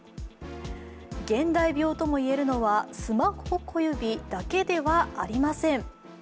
現代病ともいえるのはスマホ小指だけではありません。